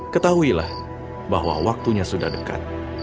ketahuilah bahwa waktunya sudah dekat